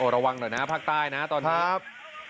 ระวังหน่อยนะภาคใต้นะตอนนี้ครับ